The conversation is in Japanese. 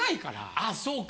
あそうか。